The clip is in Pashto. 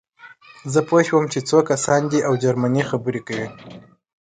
زه پوه شوم چې څو کسان دي او جرمني خبرې کوي